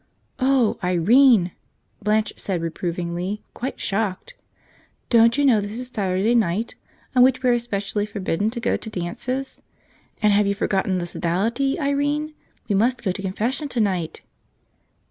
"Oh, Irene !" Blanche said reprovingly, quite shocked. "Don't you know this is Saturday night, on which we are especially forbidden to go to dances? And have 70 Which Do You Choose ? you forgotten the Sodality, Irene? We must go to confession tonight."